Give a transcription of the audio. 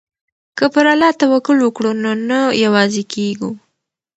که پر الله توکل وکړو نو نه یوازې کیږو.